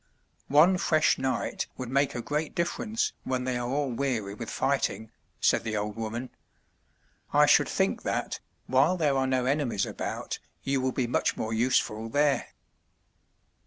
One fresh knight would make a great difference when they are all weary with fighting," said the old woman. "I should think that, while there are no enemies about, you would be much more useful there."